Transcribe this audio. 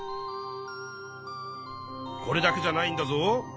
これだけじゃないんだぞ。